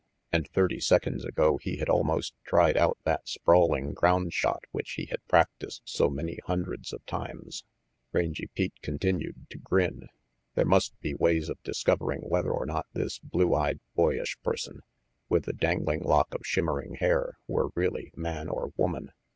And thirty seconds ago he had almost tried out that sprawling ground shot which he had practised so many hundreds of times. 28 RANGY PETE 4 Rangy Pete continued to grin. There must be ways of discovering whether or not this blue eyed, boyish person, with the dangling lock of shimmering hair, were really man or woman.